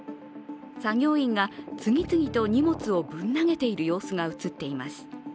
作業員が次々と荷物をぶん投げている様子が映っています。